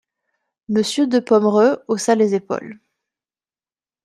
Monsieur de Pomereux haussa les épaules.